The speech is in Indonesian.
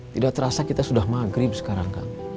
tidak terasa kita sudah maghrib sekarang kan